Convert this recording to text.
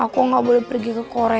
aku nggak boleh pergi ke korea